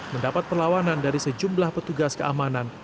mendapat perlawanan dari sejumlah petugas keamanan